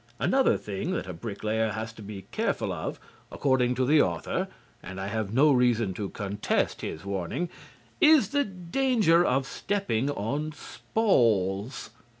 Another thing that a bricklayer has to be careful of, according to the author (and I have no reason to contest his warning), is the danger of stepping on spawls.